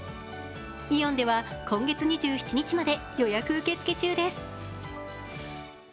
イオンでは今月２７日まで予約受け付け中です。